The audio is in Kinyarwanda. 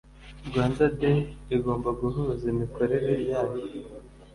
rwanda-day igomba guhuza imikorere yayo